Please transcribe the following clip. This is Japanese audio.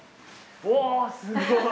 おすごい！